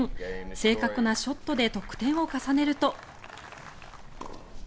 正確なショットで得点を重ねると。